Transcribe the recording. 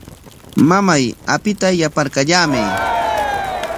Mamay, apita yaparkallamay.